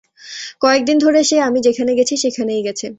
কয়েকদিন ধরে, সে আমি যেখানে গেছি সেখানেই গেছে।